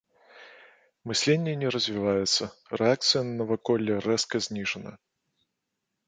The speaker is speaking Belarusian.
Мысленне не развіваецца, рэакцыя на наваколле рэзка зніжана.